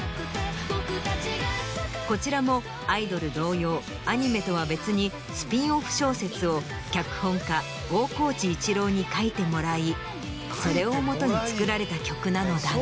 こちらも『アイドル』同様アニメとは別にスピンオフ小説を脚本家大河内一楼に書いてもらいそれをもとに作られた曲なのだが。